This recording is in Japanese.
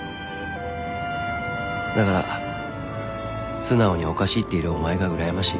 だから素直に「おかしい」って言えるお前がうらやましい。